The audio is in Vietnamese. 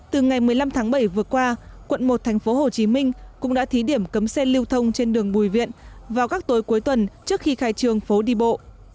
từ ngày một mươi năm tháng bảy vừa qua quận một tp hcm cũng đã thí điểm cấm xe lưu thông trên đường bùi viện vào các tối cuối tuần trước khi khai trường phố đi bộ